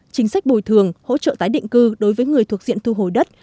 chính sách bồi thường hỗ trợ tái định cư đối với người thuộc diện thu hồi đất